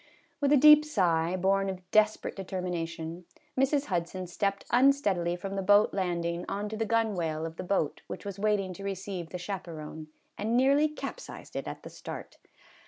With a deep sigh, born of desperate determination, Mrs. Hudson stepped unsteadily from the boat land ing on to the gunwale of the boat which was waiting to receive the chaperon, and nearly capsized it at the start.